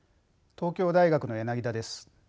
東京大学の柳田です。